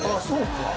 か